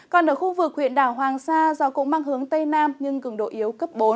còn ở khu vực huyện đảo hoàng sa gió cũng mang hướng tây nam nhưng cường độ yếu cấp bốn